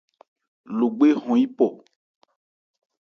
Logbê hɔn yípɔ.